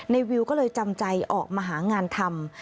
วิวก็เลยจำใจออกมาหางานทำ